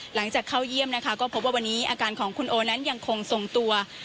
หลังจากเข้าเยี่ยมนะคะก็พบว่าวันนี้อาการของคุณโอนั้นยังคงทรงตัว